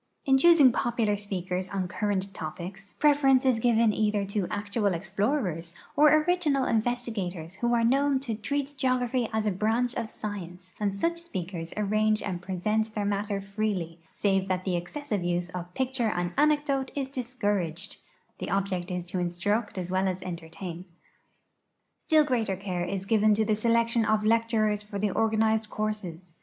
In choosing popular speakers on current topics, {U'eference is given either to actual explorers or original investigators who are known to treat geography as a branch of science, and such sj)eakers arrange and l)resent their matter freel}% save that the excessive use of j)icture and anecdote is discouraged — the object is to instruct as well as entertain. Still greater care is given to the selection of lecturers for the organized courses.